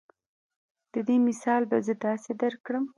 د دې مثال به زۀ داسې درکړم